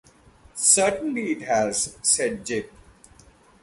“Certainly it has,” said Jip.